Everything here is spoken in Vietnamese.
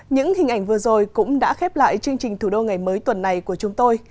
những hình ảnh vừa rồi cũng đã khép lại chương trình thủ đô ngày mới tuần này của chúng tôi